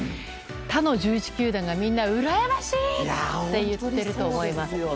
他の１１球団がみんなうらやましい！って言っていると思います。